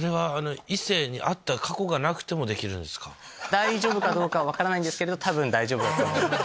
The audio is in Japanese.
大丈夫か分からないんですけど多分大丈夫だと思います。